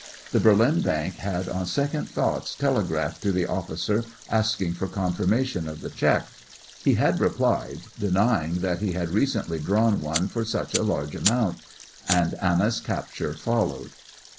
The Berlin bank had on second thoughts telegraphed to the officer asking for confirmation of the cheque. He had replied denying that he had recently drawn one for such a large amount, and Anna's capture followed.